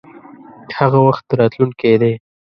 هغه وخت راتلونکی دی.